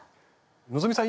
希さん